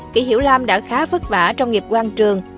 kỷ hiểu lam đã khá vất vả trong nghiệp quang trường